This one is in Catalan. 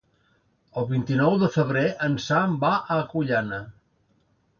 El vint-i-nou de febrer en Sam va a Agullana.